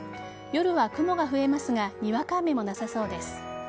夜は雲が増えますがにわか雨もなさそうです。